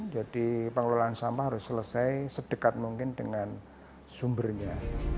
jadi pengelolaan sampah harus selesai sedekat mungkin dengan sumbernya